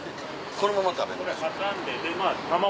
このまま食べんの？